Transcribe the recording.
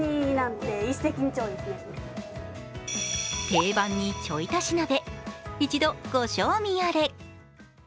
定番にちょい足し鍋、一度ご賞味あれ。